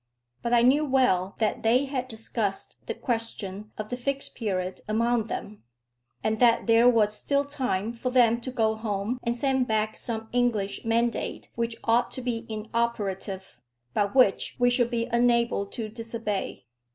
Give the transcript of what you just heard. But I knew well that they had discussed the question of the Fixed Period among them, and that there was still time for them to go home and send back some English mandate which ought to be inoperative, but which we should be unable to disobey.